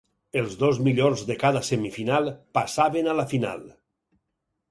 Els dos millors de cada semifinal passaven a la final.